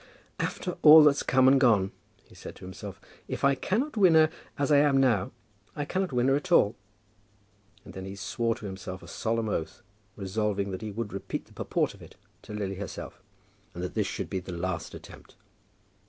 "After all that's come and gone," he said to himself, "if I cannot win her as I am now, I cannot win her at all." And then he swore to himself a solemn oath, resolving that he would repeat the purport of it to Lily herself, that this should be the last attempt.